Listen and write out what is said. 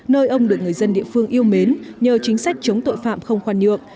nơi ông được người dân địa phương yêu mến nhờ chính sách chống tội phạm không khoan nhượng